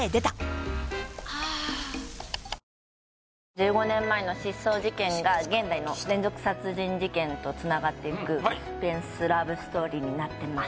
１５年前の失踪事件が現代の連続殺人事件とつながっていくサスペンスラブストーリーになってます